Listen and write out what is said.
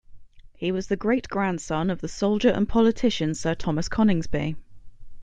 He was the great-grandson of the soldier and politician Sir Thomas Coningsby.